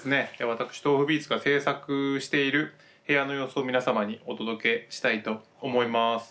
私ｔｏｆｕｂｅａｔｓが制作している部屋の様子を皆様にお届けしたいと思います。